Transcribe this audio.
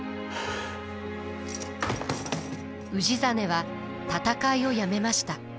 氏真は戦いをやめました。